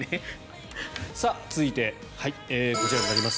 続いて、こちらになります。